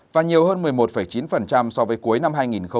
và nhiều hơn một mươi một chín so với cuối năm hai nghìn một mươi tám